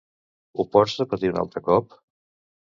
Ho pots repetir un altre cop?